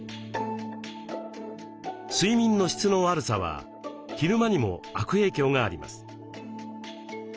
睡眠の質の悪さは昼間にも悪影響があります。